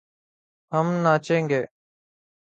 ہم ناچے گے